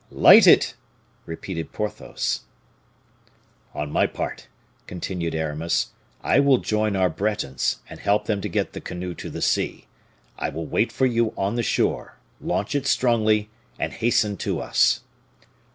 "Light it," repeated Porthos. "On my part," continued Aramis, "I will join our Bretons, and help them to get the canoe to the sea. I will wait for you on the shore; launch it strongly, and hasten to us."